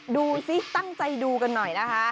ดูสิตั้งใจดูกันหน่อยนะคะ